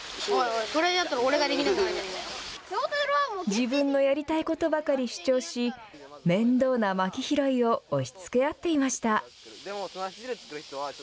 自分のやりたいことばかり主張し面倒な、まき拾いを押しつけ合っていました。